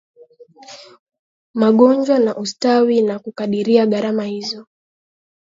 magonjwa na ustawi na kukadiria gharama hizo